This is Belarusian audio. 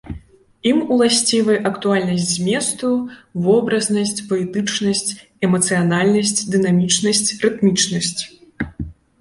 Ім уласцівы актуальнасць зместу, вобразнасць, паэтычнасць, эмацыянальнасць, дынамічнасць, рытмічнасць.